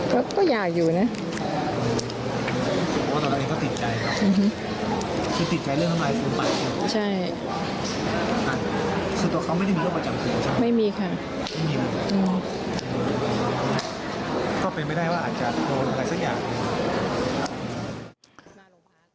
ก็เป็นไม่ได้ว่าอาจจะโดนอะไรสักอย่าง